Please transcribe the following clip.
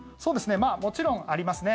もちろんありますね。